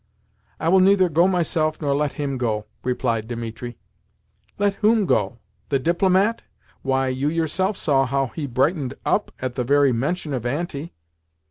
"I will neither go myself nor let him go," replied Dimitri. "Let whom go? The DIPLOMAT? Why, you yourself saw how he brightened up at the very mention of Auntie."